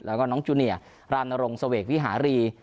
แล้วก็น้องจูเนียร์รามนรงเสวกวิหารี